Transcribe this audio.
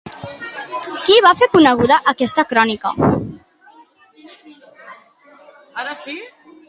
Qui va fer coneguda aquesta crònica?